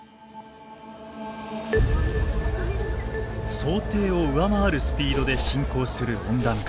想定を上回るスピードで進行する温暖化。